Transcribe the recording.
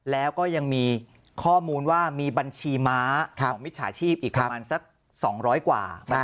แล้วก็ยังมีข้อมูลว่ามีบัญชีม้าของมิจฉาชีพอีกประมาณสัก๒๐๐กว่า